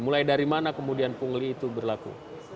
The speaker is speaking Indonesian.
mulai dari mana kemudian pungli itu berlaku